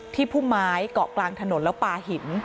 พุ่มไม้เกาะกลางถนนแล้วปลาหิน